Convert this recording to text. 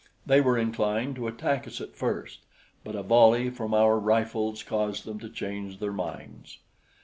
They were inclined to attack us at first; but a volley from our rifles caused them to change their minds.